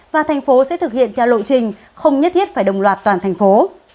và thành phố sẽ thực hiện theo lộ trình không nhất thiết phải đồng loạt toàn thành phố